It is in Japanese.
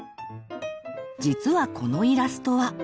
実はこのイラストは。